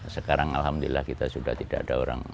sekarang alhamdulillah kita sudah tidak ada orang